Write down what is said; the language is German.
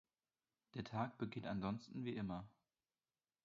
Der Tag beginnt ansonsten wie immer.